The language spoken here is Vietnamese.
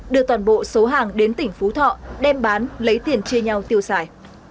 đưa toàn bộ số hàng đến tỉnh phú thọ đem bán lấy tiền chia nhau tiêu xài